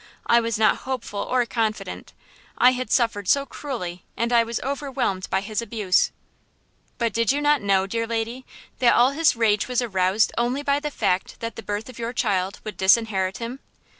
I was not hopeful or confident; I had suffered so cruelly and I was overwhelmed by his abuse." "But did you not know, dear lady, that all his rage was aroused only by the fact that the birth of your child would disinherit him?"